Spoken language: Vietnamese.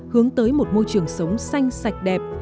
hướng tới một môi trường sống xanh sạch đẹp